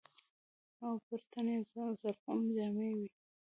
او پر تن يې زرغونې جامې وې.